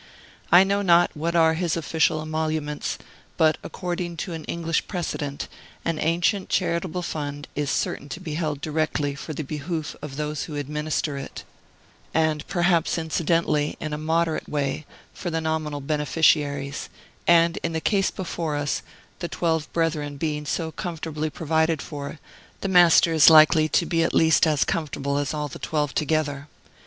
I know not what are his official emoluments; but, according to an English precedent, an ancient charitable fund is certain to be held directly for the behoof of those who administer it, and perhaps incidentally, in a moderate way, for the nominal beneficiaries; and, in the case before us, the twelve brethren being so comfortably provided for, the Master is likely to be at least as comfortable as all the twelve together.